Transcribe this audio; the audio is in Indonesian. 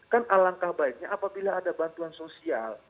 kan alangkah baiknya apabila ada bantuan sosial